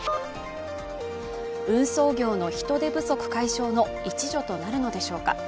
運送業の人手不足解消の一助となるのでしょうか。